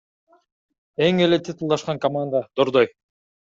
Эң эле титулдашкан команда — Дордой.